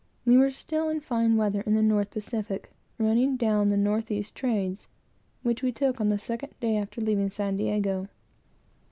We were still in fine weather in the North Pacific, running down the north east trades, which we took on the second day after leaving San Diego.